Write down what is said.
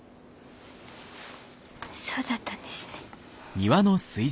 そうだったんですね。